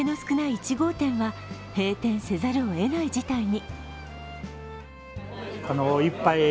１号店は閉店せざるをえない事態に。